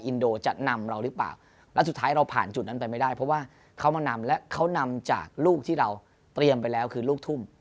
อินโดจะนำเราหรือเปล่าแล้วสุดท้ายเราผ่านจุดนั้นไปไม่ได้เพราะว่าเขามานำและเขานำจากลูกที่เราเตรียมไปแล้วคือลูกทุ่ม